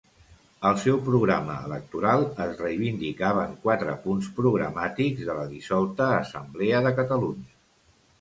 Al seu programa electoral es reivindicaven quatre punts programàtics de la dissolta Assemblea de Catalunya.